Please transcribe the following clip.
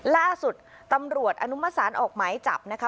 ล่าสุดตำรวจอนุมสารออกหมายจับนะคะ